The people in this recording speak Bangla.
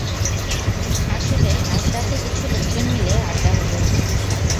আসলে, আজ রাতে কিছু লোকজন মিলে আড্ডা হবে।